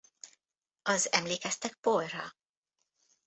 Az Emlékeztek Paulra?